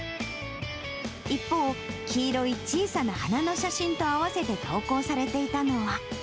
一方、黄色い小さな花の写真と合わせて投稿されていたのは。